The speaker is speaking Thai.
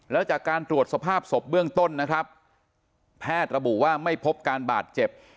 แล้วจากการตรวจสภาพศพเบื้องต้นนะครับแพทย์ระบุว่าไม่พบการบาดเจ็บ